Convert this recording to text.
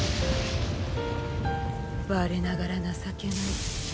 我ながら情けない。